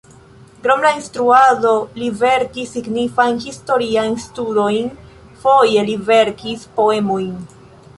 Krom la instruado li verkis signifajn historiajn studojn, foje li verkis poemojn.